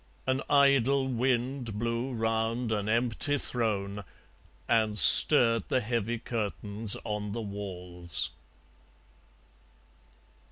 An idle wind blew round an empty throne And stirred the heavy curtains on the walls.